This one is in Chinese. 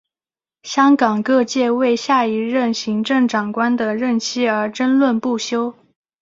香港各界为下一任行政长官的任期而争论不休。